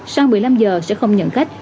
sau một mươi năm h sẽ không nhận khách